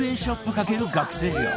×学生寮